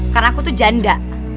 karena aku tuh janda